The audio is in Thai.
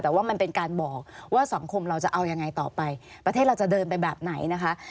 แต่ว่ามันเป็นการบอกว่าสังคมเราจะเอายังไงต่อไปประเทศเราจะเดินไปแบบไหนนะคะ